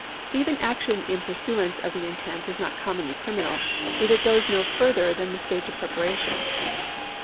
Even action in pursuance of the intent is not commonly criminal if it goes no further than the stage of preparation.